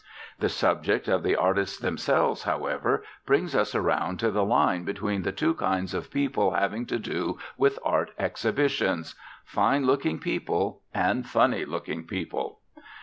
The subject of the artists themselves, however, brings us around to the line between the two kinds of people having to do with art exhibitions: fine looking people and funny looking people.